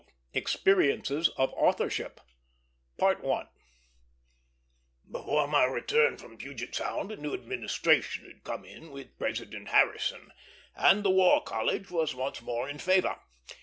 XII EXPERIENCES OF AUTHORSHIP Before my return from Puget Sound a new administration had come in with President Harrison, and the War College was once more in favor.